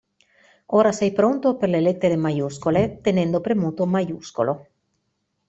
Ora sei pronto per le lettere maiuscole, tenendo premuto maiuscolo.